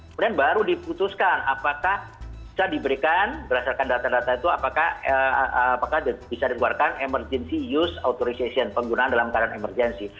kemudian baru diputuskan apakah bisa diberikan berdasarkan data data itu apakah bisa dikeluarkan emergency use authorization penggunaan dalam keadaan emergency